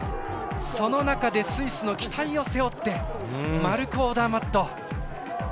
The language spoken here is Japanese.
その中でスイスの期待を背負ってマルコ・オダーマット。